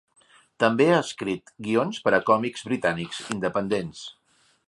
També ha escrit guions per a còmics britànics independents.